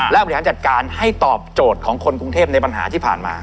และบริหารจัดการให้ตอบโจทย์ของคนกรุงเทพในปัญหาที่ผ่านมา